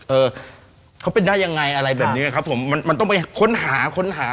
เออเขาเป็นได้ยังไงอะไรแบบนี้ครับผมมันมันต้องไปค้นหาค้นหา